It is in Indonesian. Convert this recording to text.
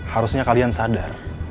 harusnya kalian sadar